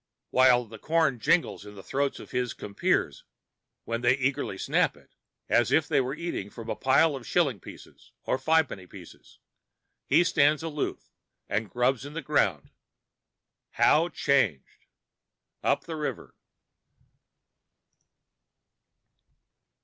While the corn jingles in the throats of his compeers when they eagerly snap it, as if they were eating from a pile of shilling pieces or fi' penny bits, he stands aloof and grubs in the ground. How changed!—Up the River.